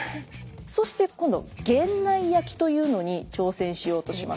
そして今度源内焼きというのに挑戦しようとします。